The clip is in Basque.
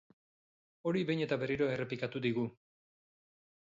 Hori behin eta berriro errepikatu digu.